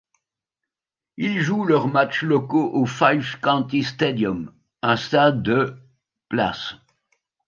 Ils jouent leurs matchs locaux au Five County Stadium, un stade de places.